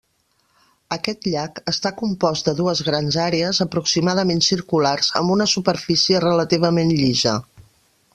Aquest llac està compost de dues grans àrees aproximadament circulars amb una superfície relativament llisa.